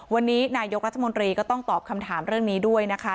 วันนี้นายกรัฐมนตรีก็ต้องตอบคำถามเรื่องนี้ด้วยนะคะ